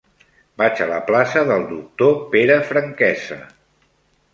Vaig a la plaça del Doctor Pere Franquesa.